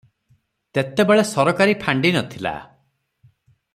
ତେତେବେଳେ ସରକାରୀ ଫାଣ୍ଡି ନ ଥିଲା ।